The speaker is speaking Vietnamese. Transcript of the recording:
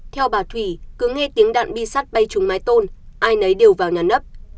theo bà thủy cứ nghe tiếng đạn bi sắt bay trúng mái tôn ai nấy đều vào nhà nấp